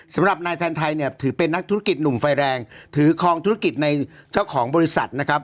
สำหรับนายแทนไทยเนี่ยถือเป็นนักธุรกิจหนุ่มไฟแรงถือคลองธุรกิจในเจ้าของบริษัทนะครับ